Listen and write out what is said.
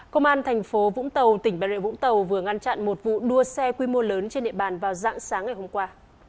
công an thành phố vũng tàu tỉnh bà rịa vũng tàu vừa ngăn chặn một vụ đua xe quy mô lớn trên địa bàn vào dạng sáng ngày hôm qua